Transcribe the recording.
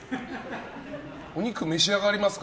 お肉、召し上がりますか？